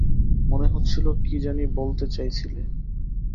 মনে হচ্ছিল কি জানি বলতে চাইছিলে?